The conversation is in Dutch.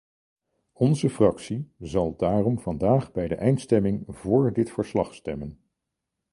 Onze fractie zal daarom vandaag bij de eindstemming voor dit verslag stemmen.